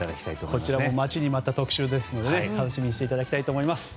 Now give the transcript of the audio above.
こちらも待ちに待った特集ですので楽しみにしていただきたいと思います。